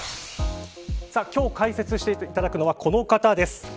今日、解説していただくのはこの方です。